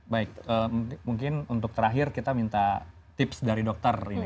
baik mungkin untuk terakhir kita minta tips dari dokter ini